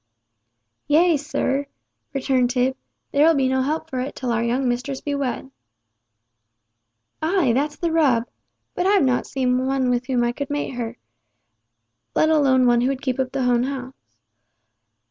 "Yea, sir," returned Tib, "there'll be no help for it till our young mistress be wed." "Ay! that's the rub! But I've not seen one whom I could mate with her—let alone one who would keep up the old house.